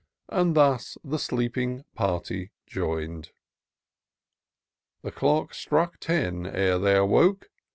And thus the sleeping party join'd. The clock struck ten ere they awoke.